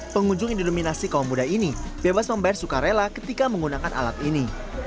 pengunjung yang didominasi kaum muda ini bebas membayar sukarela ketika menggunakan alat ini